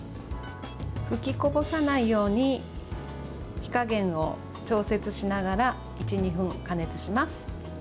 吹きこぼさないように火加減を調節しながら１２分加熱します。